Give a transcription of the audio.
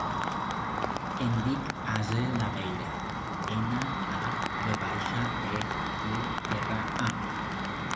Em dic Aseel Naveira: ena, a, ve baixa, e, i, erra, a.